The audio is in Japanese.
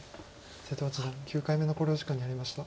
瀬戸八段９回目の考慮時間に入りました。